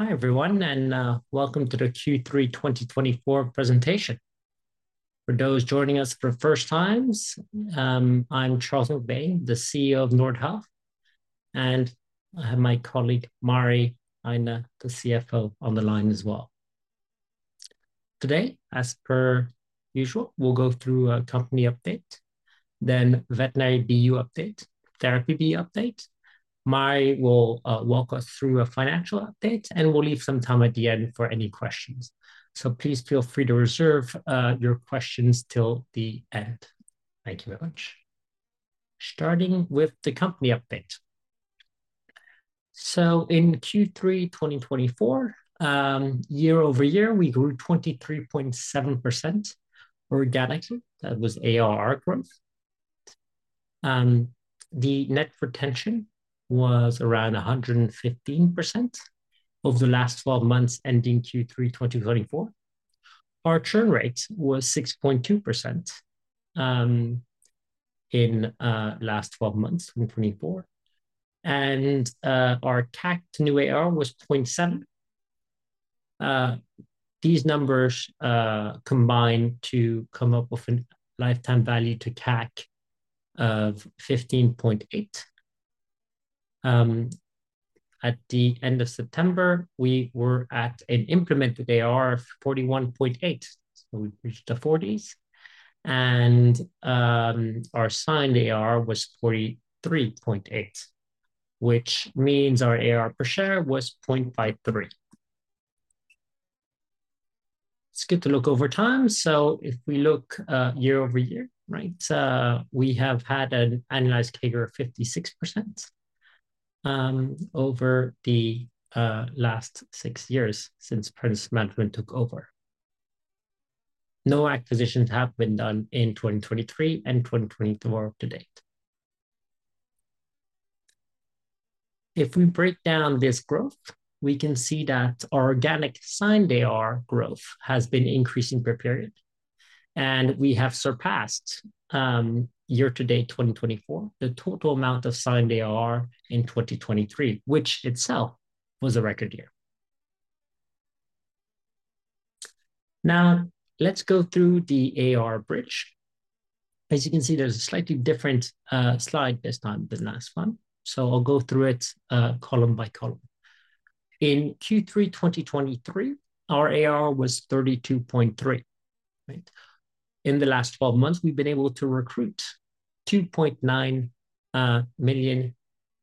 Hi everyone, and welcome to the Q3 2024 presentation. For those joining us for the first time, I'm Charles MacBain, the CEO of Nordhealth, and I have my colleague Mari Orttenvuori, the CFO, on the line as well. Today, as per usual, we'll go through a company update, then veterinary BU update, therapy BU update. Mari will walk us through a financial update, and we'll leave some time at the end for any questions. So please feel free to reserve your questions till the end. Thank you very much. Starting with the company update. So in Q3 2024, year-over-year, we grew 23.7% organically. That was ARR growth. The net retention was around 115% over the last 12 months ending Q3 2024. Our churn rate was 6.2% in the last 12 months in 2024, and our CAC to new ARR was 0.7. These numbers combine to come up with a lifetime value to CAC of 15.8. At the end of September, we were at an implemented ARR of 41.8 million, so we reached the 40s, and our signed ARR was 43.8 million, which means our ARR per share was 0.53. Let's get to look over time. So if we look year-over-year, right, we have had an annualized CAGR of 56% over the last six years since present management took over. No acquisitions have been done in 2023 and 2024 to date. If we break down this growth, we can see that our organic signed ARR growth has been increasing per period, and we have surpassed year to date 2024 the total amount of signed ARR in 2023, which itself was a record year. Now let's go through the ARR bridge. As you can see, there's a slightly different slide this time than the last one, so I'll go through it column by column. In Q3 2023, our ARR was 32.3 million. In the last 12 months, we've been able to recruit 2.9 million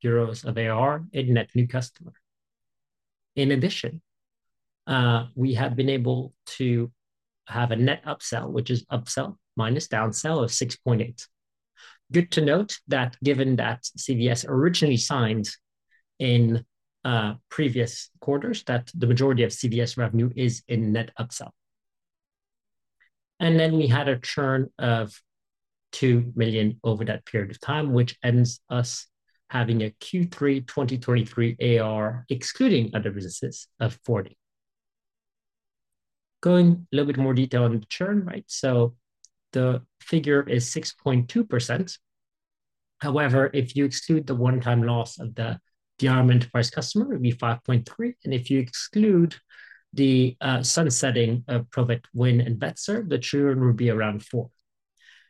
euros of ARR in net new customers. In addition, we have been able to have a net upsell, which is upsell minus downsell of 6.8. Good to note that given that CVS originally signed in previous quarters, that the majority of CVS revenue is in net upsell. And then we had a churn of 2 million over that period of time, which ends us having a Q3 2023 ARR excluding other businesses of 40. Going a little bit more detail on the churn, right, so the figure is 6.2%. However, if you exclude the one-time loss of the Diarium enterprise customer, it would be 5.3%, and if you exclude the sunsetting of Provet Win and VetServe, the churn would be around 4%.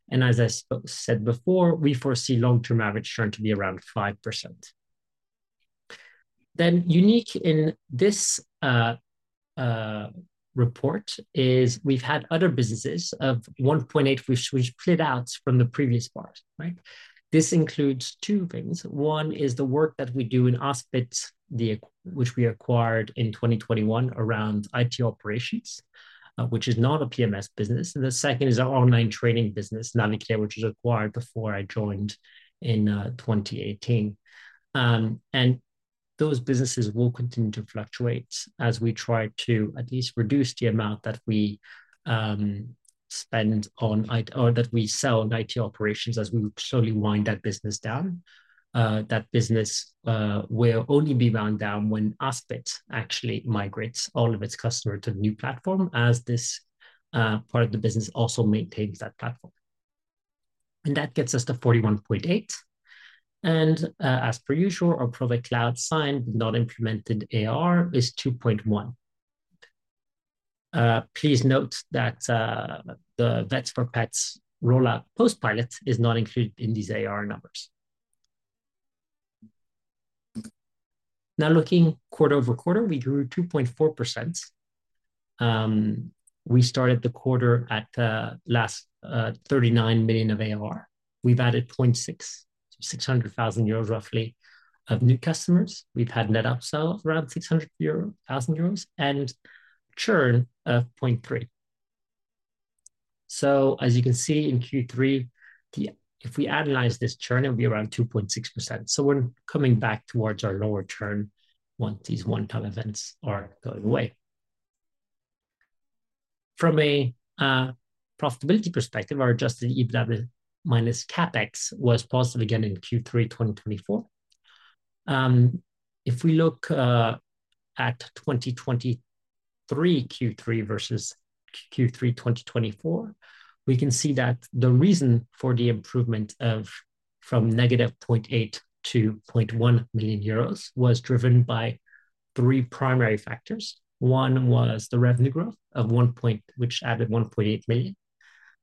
And as I said before, we foresee long-term average churn to be around 5%. Then unique in this report is we've had other businesses of 1.8 million, which we've split out from the previous part, right? This includes two things. One is the work that we do in Aspit, which we acquired in 2021 around IT operations, which is not a PMS business, and the second is our online training business, Navicare, which was acquired before I joined in 2018. And those businesses will continue to fluctuate as we try to at least reduce the amount that we spend on or that we sell on IT operations as we slowly wind that business down. That business will only be wound down when Aspit actually migrates all of its customers to the new platform, as this part of the business also maintains that platform. And that gets us to 41.8 million. And as per usual, our Provet Cloud signed not implemented ARR is 2.1 million. Please note that the Vets4Pets rollout post-pilot is not included in these ARR numbers. Now looking quarter-over-quarter, we grew 2.4%. We started the quarter at last 39 million of ARR. We've added 0.6 million, so 600,000 euros roughly of new customers. We've had net upsell around 600,000 euro and churn of 0.3 million. So as you can see in Q3, if we analyze this churn, it would be around 2.6%. So we're coming back towards our lower churn once these one-time events are going away. From a profitability perspective, our adjusted EBITDA minus CapEx was positive again in Q3 2024. If we look at 2023 Q3 versus Q3 2024, we can see that the reason for the improvement from -0.8 million euros to 0.1 million euros was driven by three primary factors. One was the revenue growth of one point, which added 1.8 million.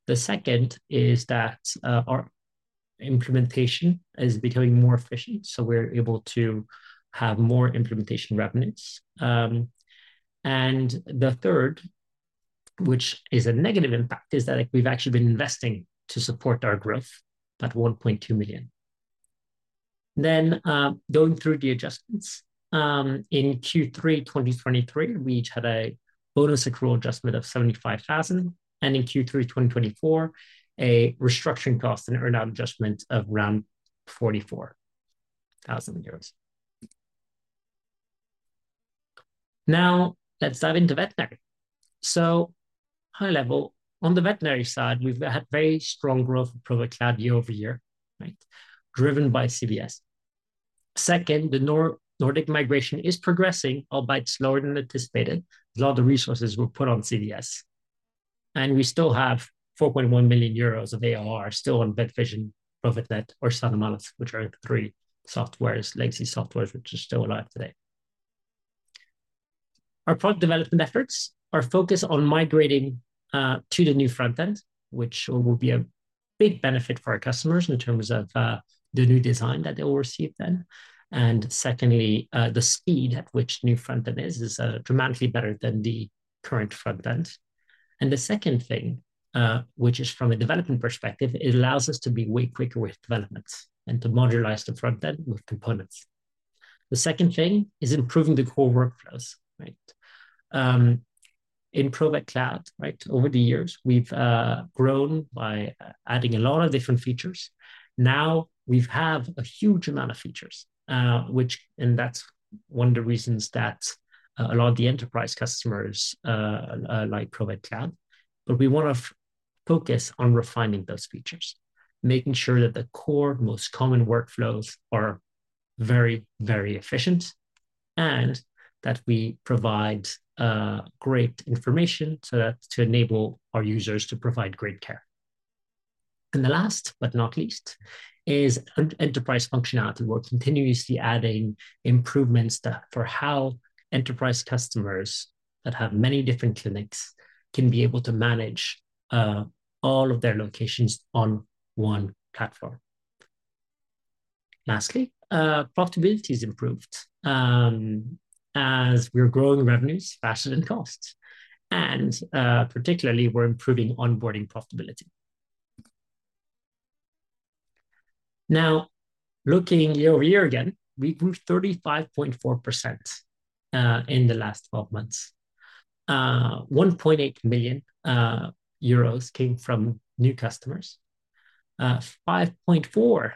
The second is that our implementation is becoming more efficient, so we're able to have more implementation revenues. And the third, which is a negative impact, is that we've actually been investing to support our growth at 1.2 million. Then going through the adjustments, in Q3 2023, we each had a bonus accrual adjustment of 75,000, and in Q3 2024, a restructuring cost and earn-out adjustment of around 44,000 euros. Now let's dive into veterinary. So high level, on the veterinary side, we've had very strong growth of Provet Cloud year-over-year, right, driven by CVS. Second, the Nordic migration is progressing, albeit slower than anticipated. A lot of the resources were put on CVS, and we still have 4.1 million euros of ARR still on VetVision, Provet Net, or Sanimalis, which are three softwares, legacy software, which are still alive today. Our product development efforts are focused on migrating to the new front end, which will be a big benefit for our customers in terms of the new design that they will receive then, and secondly, the speed at which the new front end is dramatically better than the current front end, and the second thing, which is from a development perspective, it allows us to be way quicker with developments and to modularize the front end with components. The second thing is improving the core workflows, right? In Provet Cloud, right, over the years, we've grown by adding a lot of different features. Now we have a huge amount of features, which, and that's one of the reasons that a lot of the enterprise customers like Provet Cloud, but we want to focus on refining those features, making sure that the core most common workflows are very, very efficient and that we provide great information so that to enable our users to provide great care, and the last but not least is enterprise functionality. We're continuously adding improvements for how enterprise customers that have many different clinics can be able to manage all of their locations on one platform. Lastly, profitability has improved as we're growing revenues faster than costs, and particularly we're improving onboarding profitability. Now looking year-over-year again, we grew 35.4% in the last 12 months. 1.8 million euros came from new customers. 5.4 million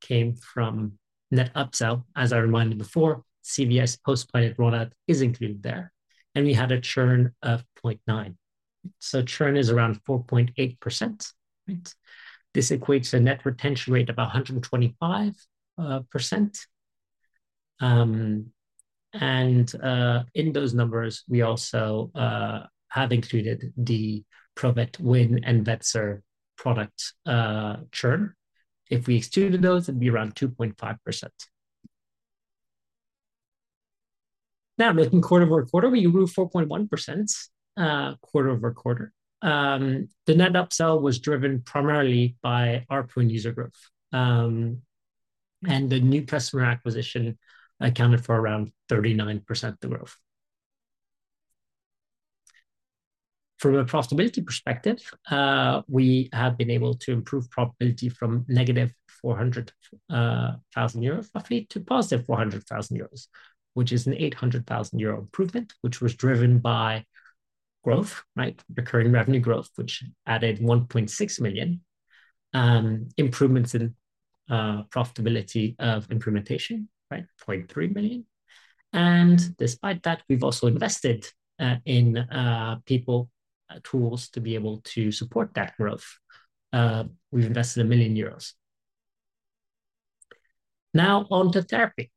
came from net upsell. As I reminded before, CVS post-pilot rollout is included there, and we had a churn of 0.9 million, so churn is around 4.8%, right? This equates to a net retention rate of about 125%. In those numbers, we also have included the Provet Win and VetServe product churn. If we excluded those, it'd be around 2.5%. Now looking quarter-over-quarter, we grew 4.1% quarter-over-quarter. The net upsell was driven primarily by our pool user growth, and the new customer acquisition accounted for around 39% of the growth. From a profitability perspective, we have been able to improve profitability from -400,000 euros roughly to +400,000 euros, which is an 800,000 euro improvement, which was driven by growth, right? Recurring revenue growth, which added 1.6 million. Improvements in profitability of implementation, right? 0.3 million. Despite that, we've also invested in people tools to be able to support that growth. We've invested 1 million euros. Now onto therapy.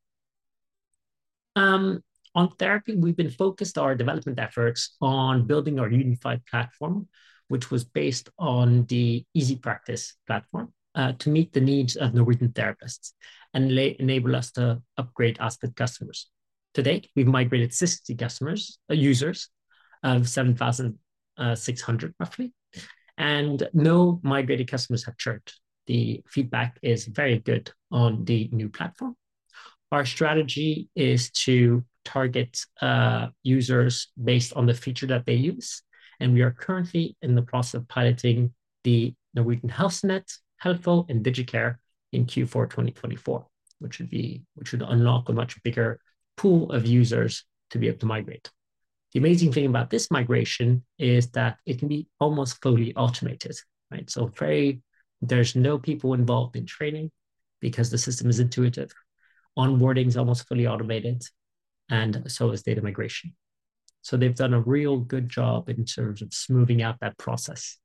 On therapy, we've been focused our development efforts on building our unified platform, which was based on the EasyPractice platform to meet the needs of Norwegian therapists and enable us to upgrade Aspit customers. To date, we've migrated 60 customers, users of 7,600 roughly, and no migrated customers have churned. The feedback is very good on the new platform. Our strategy is to target users based on the feature that they use, and we are currently in the process of piloting the Norwegian HealthNet, HealthVault, and DigiCare in Q4 2024, which would unlock a much bigger pool of users to be able to migrate. The amazing thing about this migration is that it can be almost fully automated, right? There's no people involved in training because the system is intuitive. Onboarding is almost fully automated, and so is data migration. They've done a real good job in terms of smoothing out that process.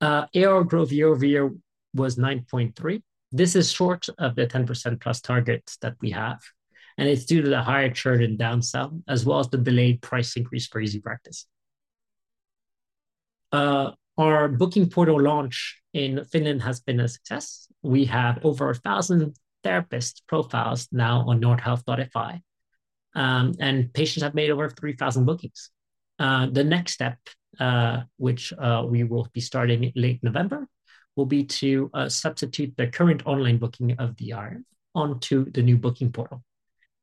ARR growth year-over-year was 9.3%. This is short of the 10% plus target that we have, and it's due to the higher churn and downsell as well as the delayed price increase for EasyPractice. Our booking portal launch in Finland has been a success. We have over 1,000 therapist profiles now on Nordhealth.fi, and patients have made over 3,000 bookings. The next step, which we will be starting in late November, will be to substitute the current online booking of Diarium onto the new booking portal.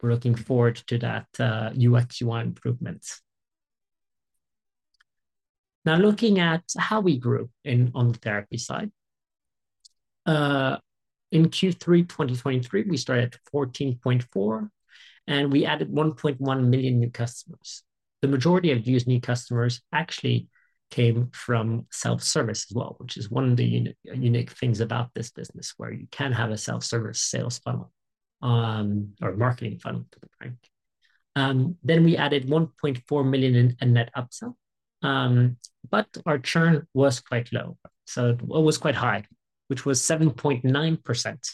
We're looking forward to that UX/UI improvement. Now looking at how we grew on the therapy side. In Q3 2023, we started at 14.4 million, and we added 1.1 million new customers. The majority of these new customers actually came from self-service as well, which is one of the unique things about this business where you can have a self-service sales funnel or marketing funnel to the brand. Then we added 1.4 million in net upsell, but our churn was quite low. So it was quite high, which was 7.9%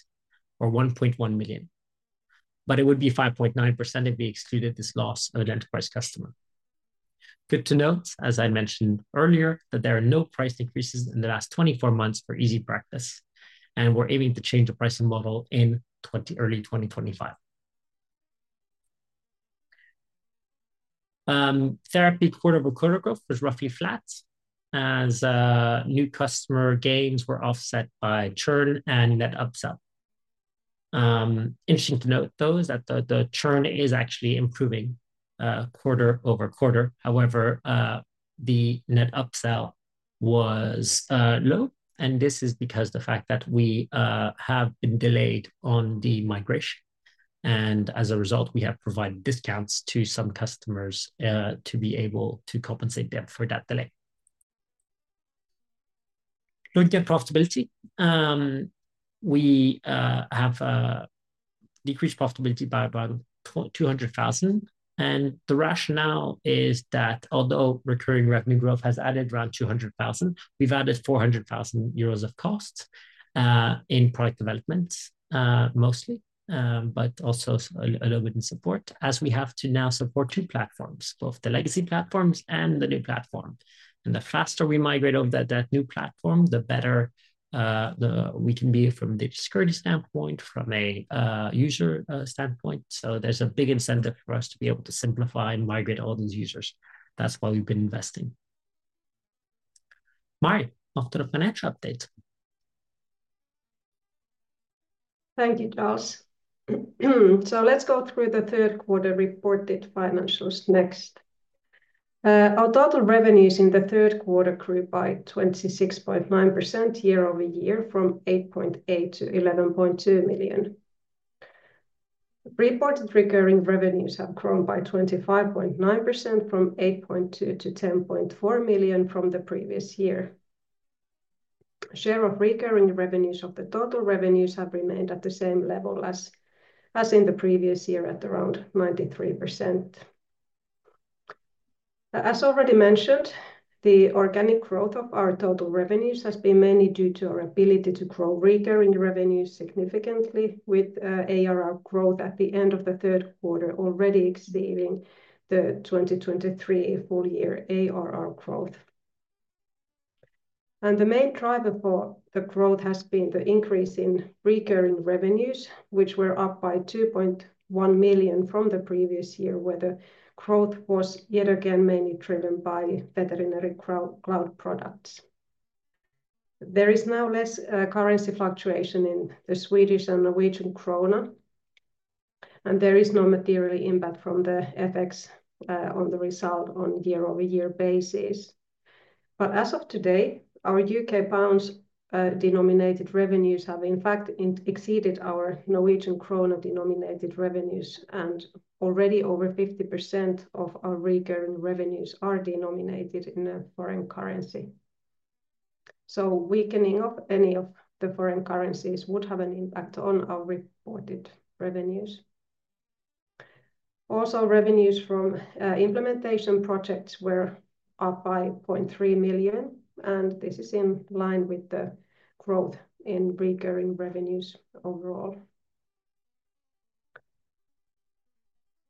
or 1.1 million. But it would be 5.9% if we excluded this loss of an enterprise customer. Good to note, as I mentioned earlier, that there are no price increases in the last 24 months for EasyPractice, and we're aiming to change the pricing model in early 2025. Therapy quarter-over-quarter growth was roughly flat as new customer gains were offset by churn and net upsell. Interesting to note though is that the churn is actually improving quarter-over-quarter. However, the net upsell was low, and this is because of the fact that we have been delayed on the migration, and as a result, we have provided discounts to some customers to be able to compensate them for that delay. Looking at profitability, we have decreased profitability by about 200,000, and the rationale is that although recurring revenue growth has added around 200,000, we've added 400,000 euros of costs in product development mostly, but also a little bit in support as we have to now support two platforms, both the legacy platforms and the new platform, and the faster we migrate over that new platform, the better we can be from a security standpoint, from a user standpoint, so there's a big incentive for us to be able to simplify and migrate all those users. That's why we've been investing. Mari, over to the financial update. Thank you, Charles. So let's go through the third quarter reported financials next. Our total revenues in the third quarter grew by 26.9% year-over-year from 8.8 million-11.2 million. Reported recurring revenues have grown by 25.9% from 8.2 million-10.4 million from the previous year. Share of recurring revenues of the total revenues have remained at the same level as in the previous year at around 93%. As already mentioned, the organic growth of our total revenues has been mainly due to our ability to grow recurring revenues significantly, with ARR growth at the end of the third quarter already exceeding the 2023 full year ARR growth. The main driver for the growth has been the increase in recurring revenues, which were up by 2.1 million from the previous year, where the growth was yet again mainly driven by veterinary cloud products. There is now less currency fluctuation in the Swedish and Norwegian krona, and there is no material impact from the effects on the result on year-over-year basis. As of today, our U.K. pounds denominated revenues have in fact exceeded our Norwegian krona denominated revenues, and already over 50% of our recurring revenues are denominated in a foreign currency. Weakening of any of the foreign currencies would have an impact on our reported revenues. Also, revenues from implementation projects were up by 0.3 million, and this is in line with the growth in recurring revenues overall.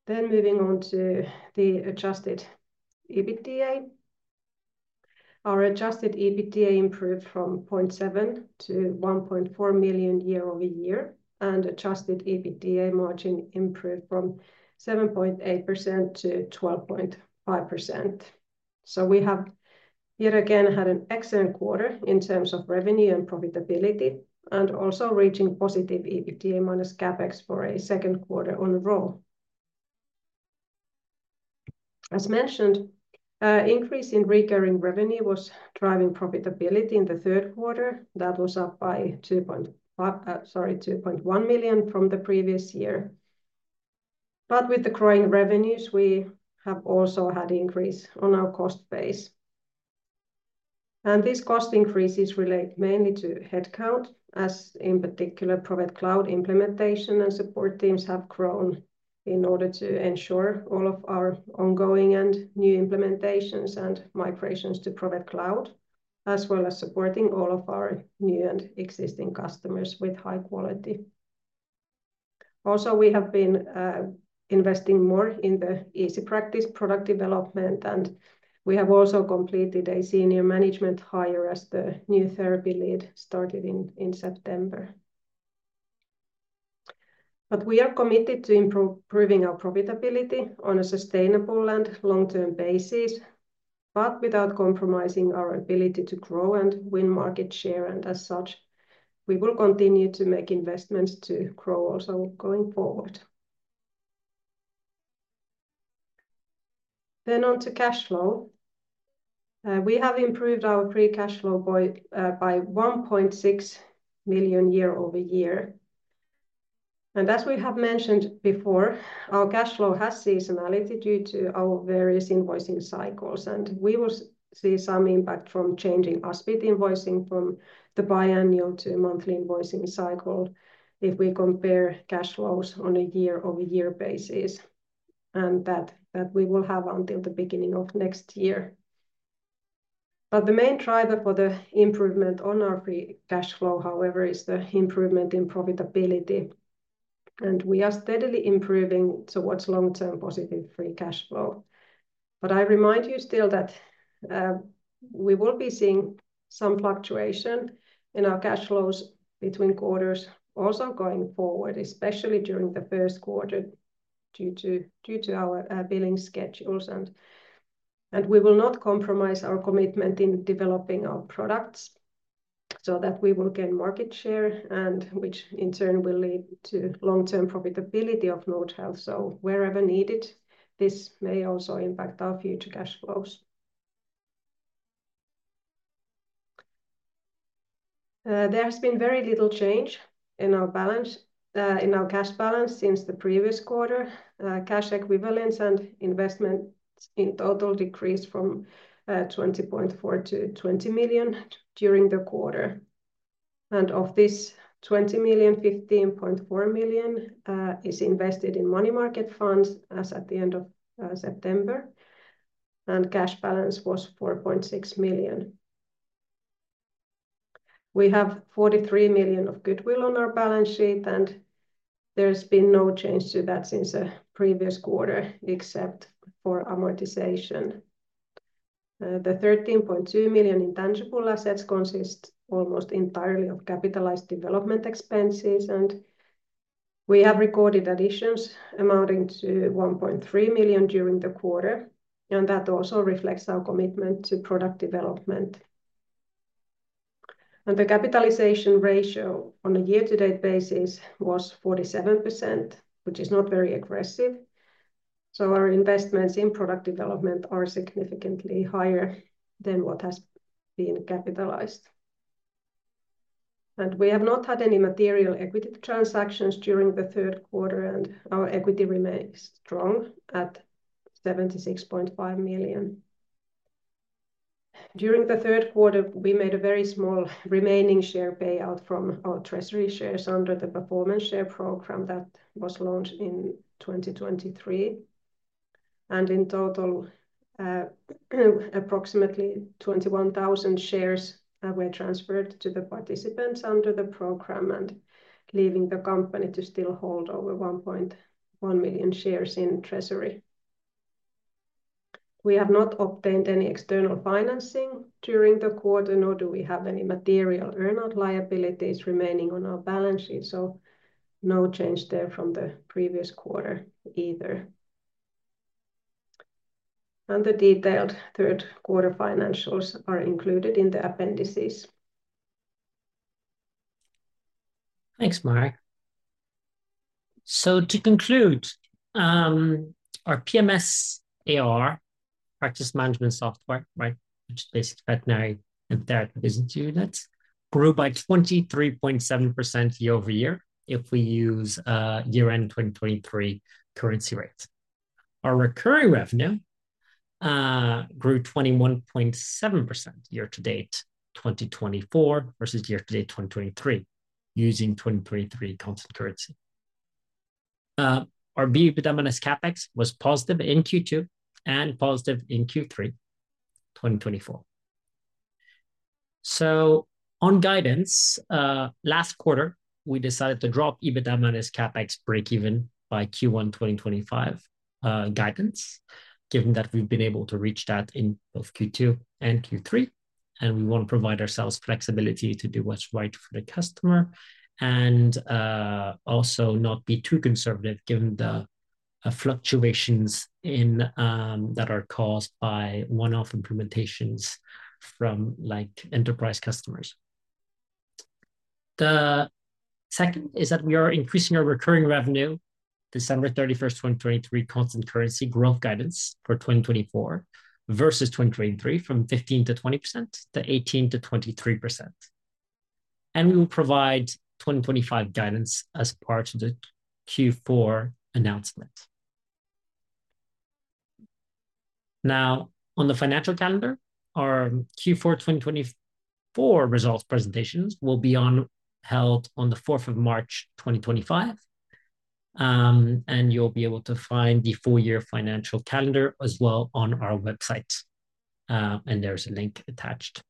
Moving on to the adjusted EBITDA. Our adjusted EBITDA improved from 0.7 million-1.4 million year-over-year, and adjusted EBITDA margin improved from 7.8%-12.5%. So we have yet again had an excellent quarter in terms of revenue and profitability, and also reaching positive EBITDA minus CapEx for a second quarter on a roll. As mentioned, increase in recurring revenue was driving profitability in the third quarter. That was up by 2.1 million from the previous year. But with the growing revenues, we have also had increase on our cost base. And these cost increases relate mainly to headcount, as in particular Provet Cloud implementation and support teams have grown in order to ensure all of our ongoing and new implementations and migrations to Provet Cloud, as well as supporting all of our new and existing customers with high quality. Also, we have been investing more in the EasyPractice product development, and we have also completed a senior management hire as the new therapy lead started in September. But we are committed to improving our profitability on a sustainable and long-term basis, but without compromising our ability to grow and win market share. And as such, we will continue to make investments to grow also going forward. Then, on to cash flow. We have improved our free cash flow by 1.6 million year-over-year. And as we have mentioned before, our cash flow has seasonality due to our various invoicing cycles, and we will see some impact from changes to our invoicing from the biannual to monthly invoicing cycle if we compare cash flows on a year-over-year basis, and that we will have until the beginning of next year. But the main driver for the improvement on our free cash flow, however, is the improvement in profitability, and we are steadily improving towards long-term positive free cash flow. But I remind you still that we will be seeing some fluctuation in our cash flows between quarters also going forward, especially during the first quarter due to our billing schedules, and we will not compromise our commitment in developing our products so that we will gain market share, which in turn will lead to long-term profitability of Nordhealth. So wherever needed, this may also impact our future cash flows. There has been very little change in our cash balance since the previous quarter. Cash equivalents and investments in total decreased from 20.4 million to 20 million during the quarter. Of this 20 million, 15.4 million is invested in money market funds as at the end of September, and cash balance was 4.6 million. We have 43 million of goodwill on our balance sheet, and there's been no change to that since the previous quarter except for amortization. The 13.2 million intangible assets consist almost entirely of capitalized development expenses, and we have recorded additions amounting to 1.3 million during the quarter, and that also reflects our commitment to product development. The capitalization ratio on a year-to-date basis was 47%, which is not very aggressive. Our investments in product development are significantly higher than what has been capitalized. We have not had any material equity transactions during the third quarter, and our equity remains strong at 76.5 million. During the third quarter, we made a very small remaining share payout from our treasury shares under the performance share program that was launched in 2023. And in total, approximately 21,000 shares were transferred to the participants under the program, and leaving the company to still hold over 1.1 million shares in treasury. We have not obtained any external financing during the quarter, nor do we have any material earn-out liabilities remaining on our balance sheet, so no change there from the previous quarter either, and the detailed third quarter financials are included in the appendices. Thanks, Mari, so to conclude, our PMS ARR, practice management software, right, which is based in veterinary and therapy business units, grew by 23.7% year-over-year if we use year-end 2023 currency rates. Our recurring revenue grew 21.7% year-to-date 2024 versus year-to-date 2023 using 2023 constant currency. Our EBITDA minus CapEx was positive in Q2 and positive in Q3 2024. So on guidance, last quarter, we decided to drop EBITDA minus CapEx breakeven by Q1 2025 guidance, given that we've been able to reach that in both Q2 and Q3, and we want to provide ourselves flexibility to do what's right for the customer and also not be too conservative given the fluctuations that are caused by one-off implementations from enterprise customers. The second is that we are increasing our recurring revenue December 31st, 2023, constant currency growth guidance for 2024 versus 2023 from 15%-20% to 18%-23%. And we will provide 2025 guidance as part of the Q4 announcement. Now, on the financial calendar, our Q4 2024 results presentations will be held on the 4th of March 2025, and you'll be able to find the full year financial calendar as well on our website, and there's a link attached.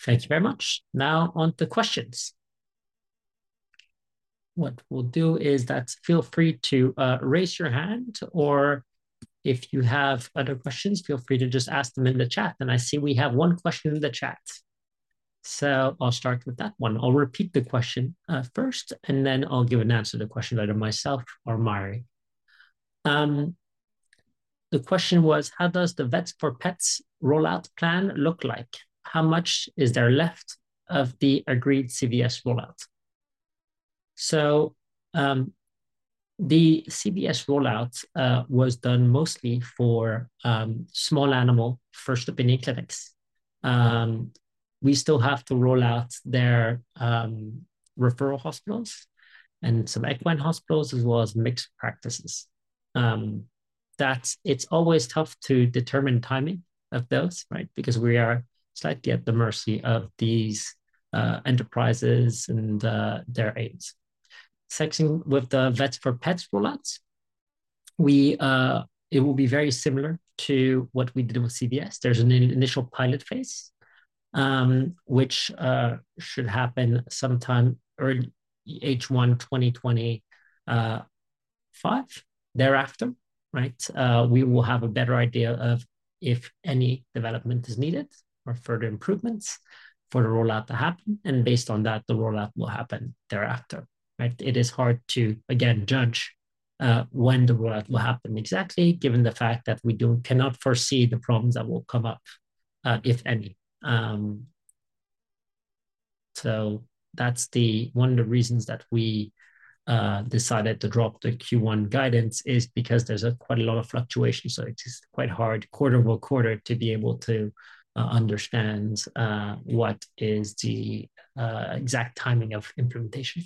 Thank you very much. Now, on to questions. What we'll do is that, feel free to raise your hand, or if you have other questions, feel free to just ask them in the chat, and I see we have one question in the chat. So I'll start with that one. I'll repeat the question first, and then I'll give an answer to the question either myself or Mari. The question was, how does the Vets4Pets rollout plan look like? How much is there left of the agreed CVS rollout? So the CVS rollout was done mostly for small animal first opinion clinics. We still have to roll out their referral hospitals and some equine hospitals as well as mixed practices. It's always tough to determine timing of those, right, because we are slightly at the mercy of these enterprises and their aides. Same thing with the Vets4Pets rollouts. It will be very similar to what we did with CVS. There's an initial pilot phase, which should happen sometime early H1 2025. Thereafter, right, we will have a better idea of if any development is needed or further improvements for the rollout to happen, and based on that, the rollout will happen thereafter, right? It is hard to, again, judge when the rollout will happen exactly, given the fact that we cannot foresee the problems that will come up, if any. That's one of the reasons that we decided to drop the Q1 guidance is because there's quite a lot of fluctuation, so it's quite hard quarter-over-quarter to be able to understand what is the exact timing of implementation.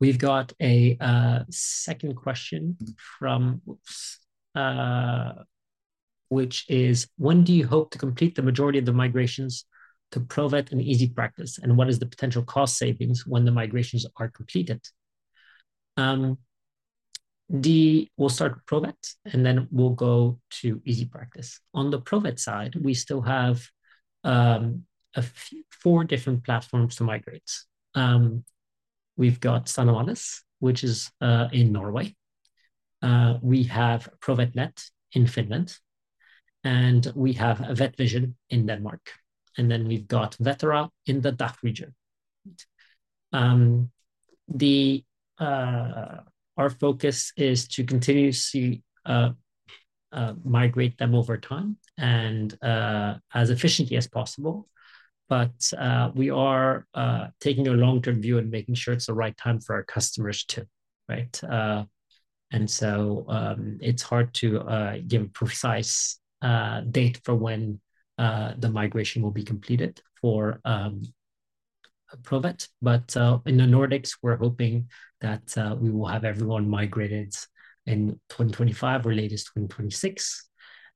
We've got a second question from, which is, when do you hope to complete the majority of the migrations to Provet and EasyPractice, and what is the potential cost savings when the migrations are completed? We'll start with Provet, and then we'll go to EasyPractice. On the Provet side, we still have four different platforms to migrate. We've got Sanimalis, which is in Norway. We have Provet Net in Finland, and we have VetVision in Denmark, and then we've got Vetera in the DACH region. Our focus is to continuously migrate them over time and as efficiently as possible, but we are taking a long-term view and making sure it's the right time for our customers too, right, and so it's hard to give a precise date for when the migration will be completed for Provet, but in the Nordics, we're hoping that we will have everyone migrated in 2025 or latest 2026.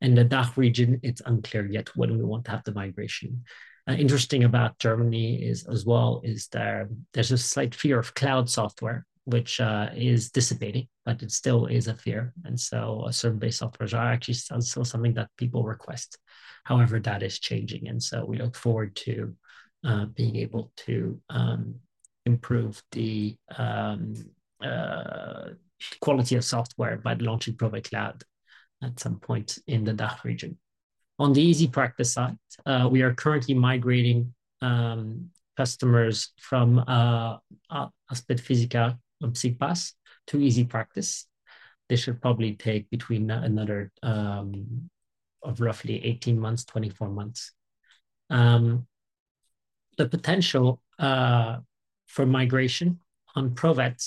In the DACH region, it's unclear yet when we want to have the migration. Interesting about Germany as well is there's a slight fear of cloud software, which is dissipating, but it still is a fear, and so server-based software is actually still something that people request. However, that is changing, and so we look forward to being able to improve the quality of software by launching Provet Cloud at some point in the DACH region. On the EasyPractice side, we are currently migrating customers from Aspit Physica on CPAS to EasyPractice. This should probably take between another roughly 18-24 months. The potential for migration on Provet,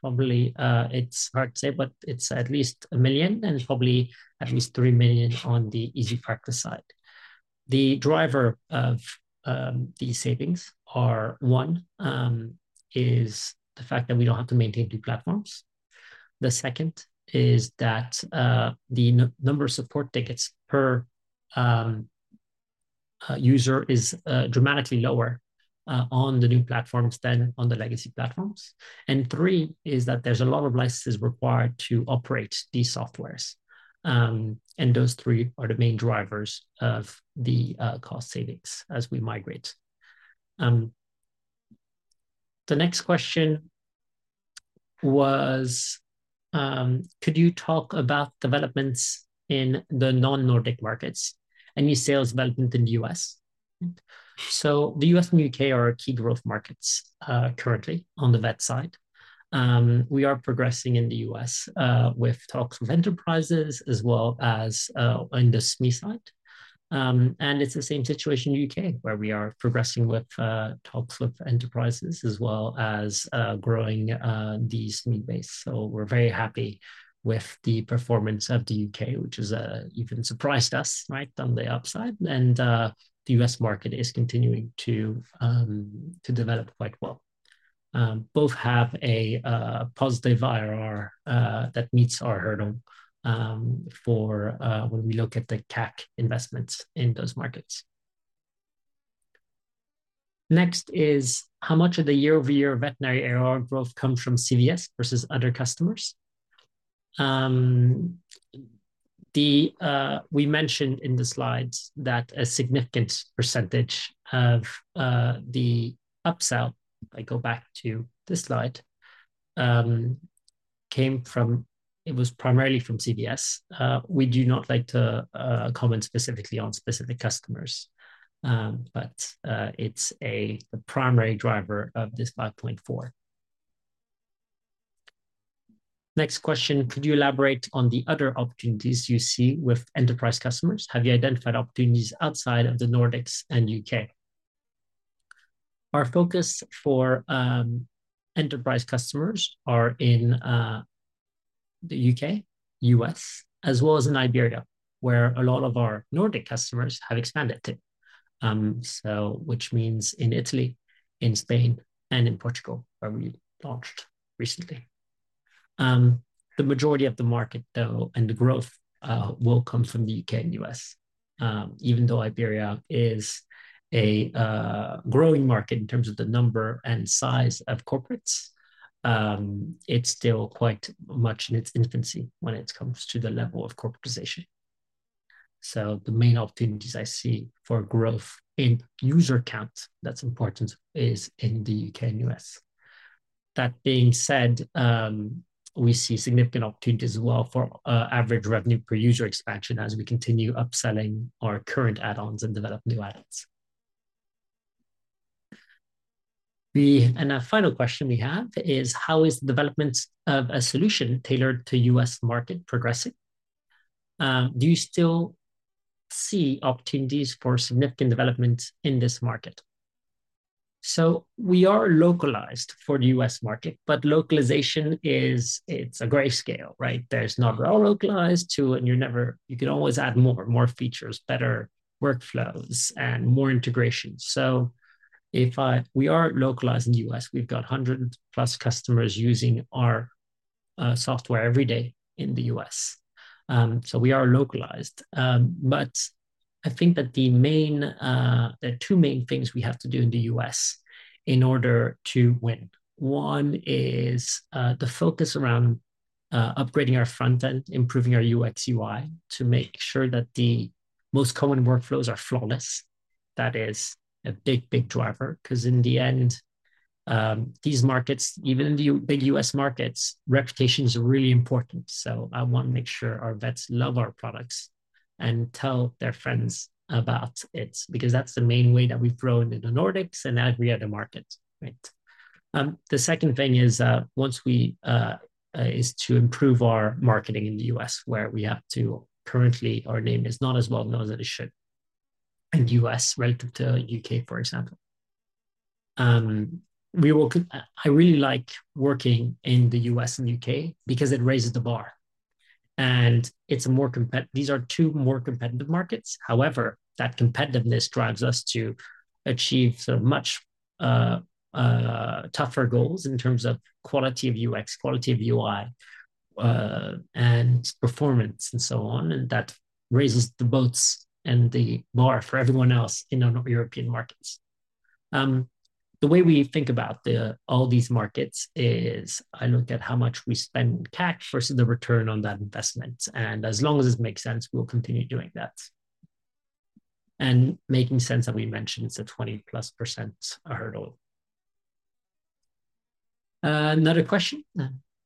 probably it's hard to say, but it's at least 1 million, and it's probably at least 3 million on the EasyPractice side. The driver of these savings are one is the fact that we don't have to maintain two platforms. The second is that the number of support tickets per user is dramatically lower on the new platforms than on the legacy platforms. And three is that there's a lot of licenses required to operate these softwares, and those three are the main drivers of the cost savings as we migrate. The next question was, could you talk about developments in the non-Nordic markets? Any sales development in the U.S.? So the U.S. and U.K. are key growth markets currently on the Vet side. We are progressing in the U.S. with talks with enterprises as well as on the SME side. And it's the same situation in the U.K. where we are progressing with talks with enterprises as well as growing the SME base. So we're very happy with the performance of the U.K., which has even surprised us, right, on the upside, and the U.S. market is continuing to develop quite well. Both have a positive IRR that meets our hurdle for when we look at the CAC investments in those markets. Next is how much of the year-over-year veterinary IRR growth comes from CVS versus other customers. We mentioned in the slides that a significant percentage of the upsell, if I go back to this slide, came from, it was primarily from CVS. We do not like to comment specifically on specific customers, but it's the primary driver of this 5.4 million. Next question, could you elaborate on the other opportunities you see with enterprise customers? Have you identified opportunities outside of the Nordics and U.K.? Our focus for enterprise customers is in the U.K., U.S., as well as in Iberia, where a lot of our Nordic customers have expanded to, which means in Italy, in Spain, and in Portugal where we launched recently. The majority of the market, though, and the growth will come from the U.K. and U.S., even though Iberia is a growing market in terms of the number and size of corporates; it's still quite much in its infancy when it comes to the level of corporatization. So the main opportunities I see for growth in user count that's important is in the U.K. and U.S. That being said, we see significant opportunities as well for average revenue per user expansion as we continue upselling our current add-ons and develop new add-ons. And a final question we have is, how is the development of a solution tailored to U.S. market progressing? Do you still see opportunities for significant development in this market? So we are localized for the U.S. market, but localization is, it's a grayscale, right? There's not all localized to, and you can always add more features, better workflows, and more integration. So if we are localized in the U.S., we've got 100+ customers using our software every day in the U.S. So we are localized, but I think that the main, there are two main things we have to do in the U.S. in order to win. One is the focus around upgrading our front end, improving our UX/UI to make sure that the most common workflows are flawless. That is a big, big driver because in the end, these markets, even in the big U.S. markets, reputation is really important. So I want to make sure our vets love our products and tell their friends about it because that's the main way that we've grown in the Nordics and every other market, right? The second thing is once we is to improve our marketing in the U.S. where we have to currently our name is not as well known as it should in the U.S. relative to U.K., for example. I really like working in the U.S. and U.K. because it raises the bar, and it's a more competitive, these are two more competitive markets. However, that competitiveness drives us to achieve much tougher goals in terms of quality of UX, quality of UI, and performance and so on, and that raises the boats and the bar for everyone else in our European markets. The way we think about all these markets is I look at how much we spend CAC versus the return on that investment, and as long as it makes sense, we'll continue doing that, and making sense that we mentioned it's a 20%+ hurdle. Another question,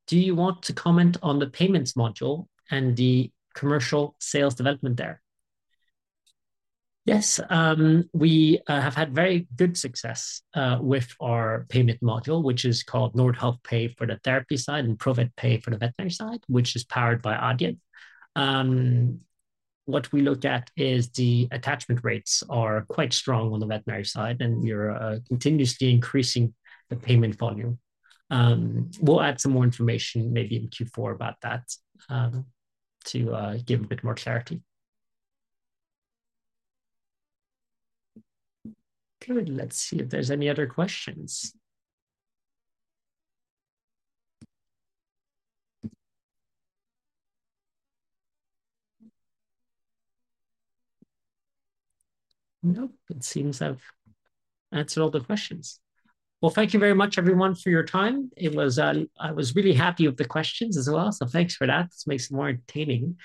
do you want to comment on the payments module and the commercial sales development there? Yes, we have had very good success with our payment module, which is called Nordhealth Pay for the therapy side and Provet Pay for the veterinary side, which is powered by Adyen. What we look at is the attachment rates are quite strong on the veterinary side, and we are continuously increasing the payment volume. We'll add some more information maybe in Q4 about that to give a bit more clarity. Good, let's see if there's any other questions. Nope, it seems I've answered all the questions. Thank you very much, everyone, for your time. I was really happy with the questions as well, so thanks for that. It makes it more entertaining.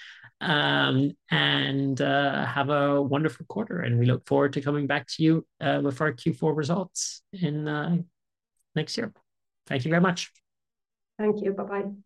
Have a wonderful quarter, and we look forward to coming back to you with our Q4 results in next year. Thank you very much. Thank you, bye-bye.